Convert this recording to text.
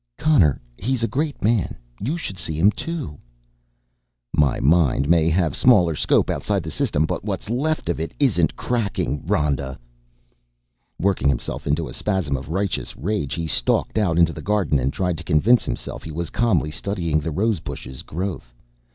"Connor, he's a great man. You should see him too." "My mind may have smaller scope outside the System but what's left of it isn't cracking, Rhoda." Working himself into a spasm of righteous rage, he stalked out into the garden and tried to convince himself he was calmly studying the rose bushes' growth.